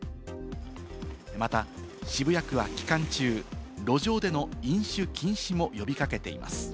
また、渋谷区は期間中、路上での飲酒禁止も呼び掛けています。